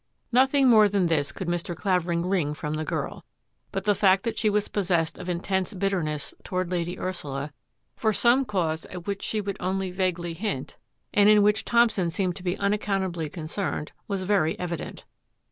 Nothing more than this could Mr. Clavering wring from the girl. But the fact that she wa^ possessed of intense bitterness toward Lady Ursula for some cause at which she would only vaguely hint, and in which Thompson seemed to be unac countably concerned, was very evident.